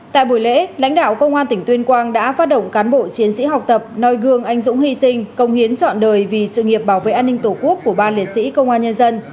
tại buổi lễ lãnh đạo công an tỉnh tuyên quang đã phát động cán bộ chiến sĩ học tập noi gương anh dũng hy sinh công hiến chọn đời vì sự nghiệp bảo vệ an ninh tổ quốc của ba liệt sĩ công an nhân dân